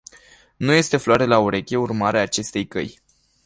Nu este floare la ureche urmarea acestei căi.